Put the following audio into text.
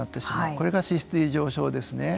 これが脂質異常症ですね。